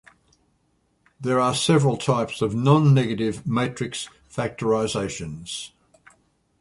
There are different types of non-negative matrix factorizations.